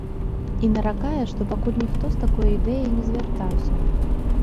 І наракае, што пакуль ніхто з такой ідэяй не звяртаўся.